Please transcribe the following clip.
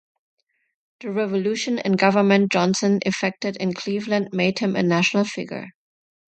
The revolution in government Johnson effected in Cleveland made him a national figure.